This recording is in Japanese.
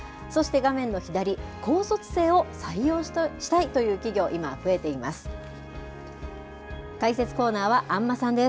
そして画面の左、高卒生を採用したいという企業、今、増えています。